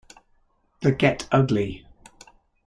The Get Ugly!